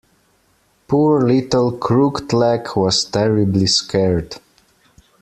Poor little Crooked-Leg was terribly scared.